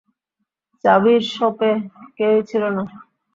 চাবির শপে কেউই ছিল না।